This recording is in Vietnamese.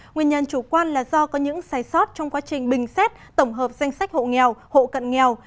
nguyên nhân chủ quan là do có những sai sót trong quá trình bình xét tổng hợp danh sách hộ nghèo hộ cận nghèo